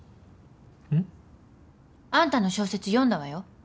ん？あんたの小説読んだわよ。